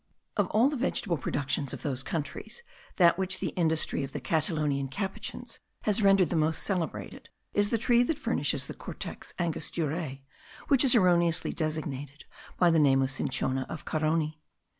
Of all the vegetable productions of those countries, that which the industry of the Catalonian Capuchins has rendered the most celebrated is the tree that furnishes the Cortex angosturae, which is erroneously designated by the name of cinchona of Carony.